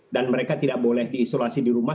dan mereka tidak boleh diisolasi di rumah